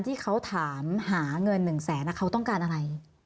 ที่เขาถามหาเงิน๑แสนเขาต้องการอะไร